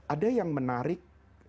ada yang menarik